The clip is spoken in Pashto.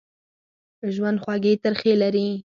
ژوند خوږې ترخې لري.